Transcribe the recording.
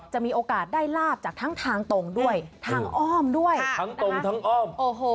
มีโอกาสได้ลาบจากทั้งทางตรงด้วยทางอ้อมด้วยทั้งตรงทั้งอ้อมโอ้โห